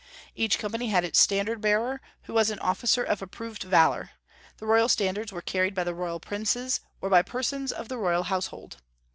Each company had its standard bearer, who was an officer of approved valor; the royal standards were carried by the royal princes or by persons of the royal household.